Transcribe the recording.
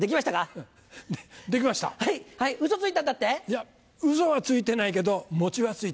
いやウソはついてないけど餅はついた。